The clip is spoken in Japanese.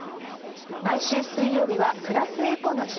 毎週水曜日はプラスエコの日。